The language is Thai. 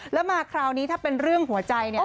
แล้วมาคราวนี้ถ้าเป็นเรื่องหัวใจเนี่ย